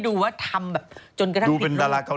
แต่การทำของคุณบี่สำเร็จ